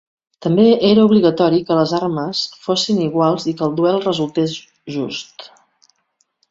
També era obligatori que les armes fossin iguals i que el duel resultés just.